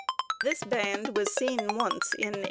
This band was seen once in 1888.